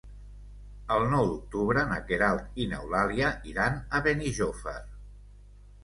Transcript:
El nou d'octubre na Queralt i n'Eulàlia iran a Benijòfar.